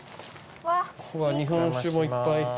うわ日本酒もいっぱい。